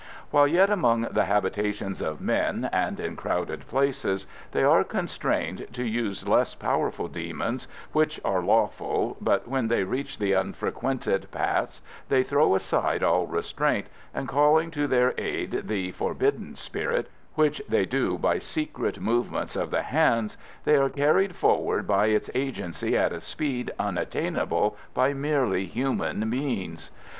While yet among the habitations of men, and in crowded places, they are constrained to use less powerful demons, which are lawful, but when they reach the unfrequented paths they throw aside all restraint, and, calling to their aid the forbidden spirit (which they do by secret movements of the hands), they are carried forward by its agency at a speed unattainable by merely human means.